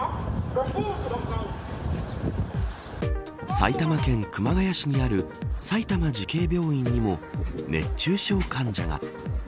埼玉県熊谷市にある埼玉慈恵病院にも熱中症患者が。